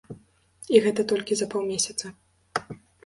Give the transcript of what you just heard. І гэта толькі за паўмесяца.